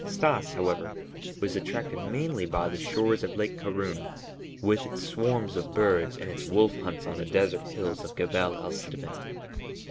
Stas, however, was attracted mainly by the shores of Lake Karûn, with its swarms of birds and its wolf hunts on the desert hills of Gebel el Sedment.